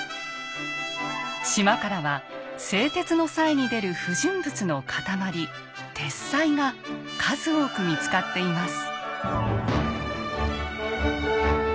島からは製鉄の際に出る不純物の固まり鉄滓が数多く見つかっています。